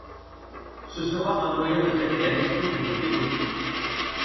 Ce sera un moyen de traiter la question que vous évoquez.